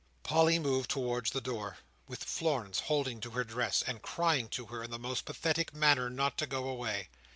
Polly moved towards the door, with Florence holding to her dress, and crying to her in the most pathetic manner not to go away.